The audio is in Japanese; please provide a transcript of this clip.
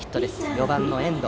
４番の遠藤。